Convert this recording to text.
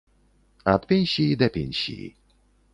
Ад пенсіі да пенсіі.